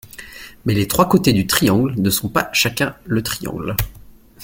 Mais les trois côtés du triangle ne sont pas chacun le triangle.